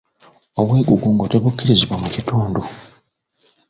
Obwegugungo tebukkirizibwa mu kitundu.